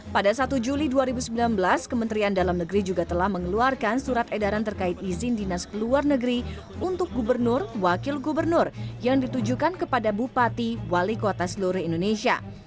pada satu juli dua ribu sembilan belas kementerian dalam negeri juga telah mengeluarkan surat edaran terkait izin dinas luar negeri untuk gubernur wakil gubernur yang ditujukan kepada bupati wali kota seluruh indonesia